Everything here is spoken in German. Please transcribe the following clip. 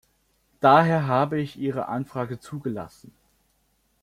Daher habe ich Ihre Anfrage zugelassen.